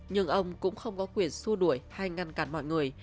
nhưng ông cũng không có quyền xua đuổi hay ngăn cản mọi người